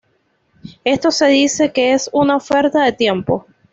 Esto se dice que es una oferta de tiempo.